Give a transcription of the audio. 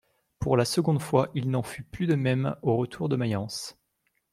Pour la seconde fois, il n'en fut plus de même au retour de Mayence.